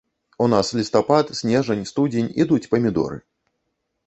У нас лістапад, снежань, студзень ідуць памідоры.